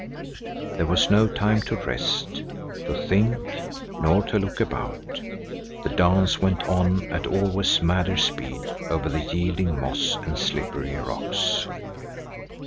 There was no time to rest, to think, nor to look about. The dance went on at always madder speed over the yielding moss and slippery rocks.